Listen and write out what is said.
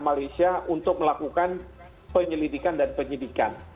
dan pemerintah malaysia untuk melakukan penyelidikan dan penyidikan